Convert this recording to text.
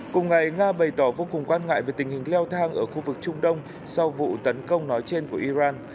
cùng ngày nga bày tỏ vô cùng quan ngại về tình hình leo thang ở khu vực trung đông sau vụ tấn công nói trên của iran